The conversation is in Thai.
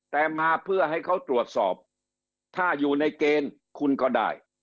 แต่มาเพื่อให้เขาตรวจสอบถ้าอยู่ในเกณฑ์คุณก็ได้